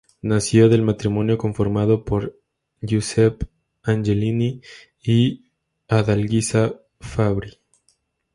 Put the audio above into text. Nació del matrimonio conformado por Giuseppe Angelini y Adalgisa Fabbri.